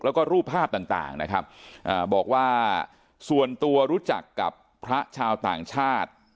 แล้วก็รูปภาพต่างนะครับบอกว่าส่วนตัวรู้จักกับพระชาวต่างชาติ